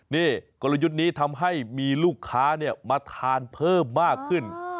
นี่กลยุทธ์นี้ทำให้มีลูกค้ามาทานเพิ่มมากขึ้น